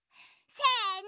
せの！